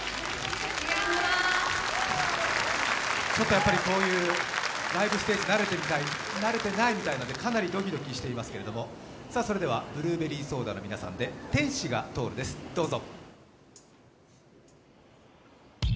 やっぱりこういうライブステージ慣れてないみたいなのでかなりドキドキしていますけれども、ブルーベリーソーダの皆さんですどうぞ。